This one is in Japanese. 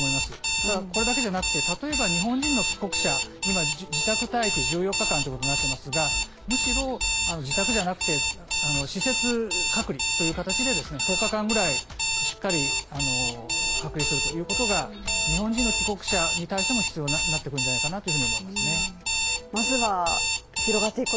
ただこれだけじゃなくて例えば日本人の帰国者、今自宅待機１４日間となっていますが、むしろあの自宅じゃなくて、あの施設隔離という形でですね、１０日間ぐらいしっかり隔離するということが、日本人の帰国者に対しても必要になってるんじゃないかなというふうに思いますね。